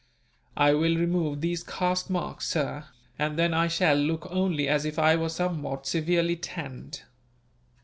"I will remove these caste marks, sir, and then I shall look only as if I were somewhat severely tanned."